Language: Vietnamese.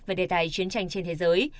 về đề tài chiến tranh trên thế giới